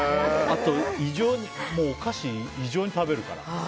あと、お菓子異常に食べるから。